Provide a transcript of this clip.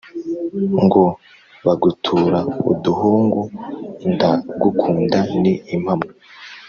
Ngo bagutura uduhungu, ndagukunda ni impamo